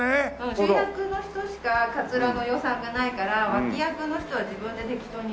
主役の人しかカツラの予算がないから脇役の人は自分で適当に。